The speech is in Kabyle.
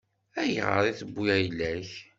Ayɣer i tewwi ayla-k?